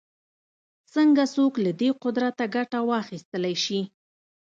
څنګه څوک له دې قدرته ګټه واخیستلای شي